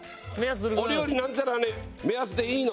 お料理なんてのはね目安でいいの。